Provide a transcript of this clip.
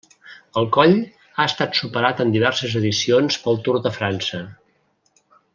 El coll ha estat superat en diverses edicions pel Tour de França.